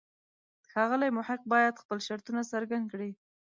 ښاغلی محق باید خپل شرطونه څرګند کړي.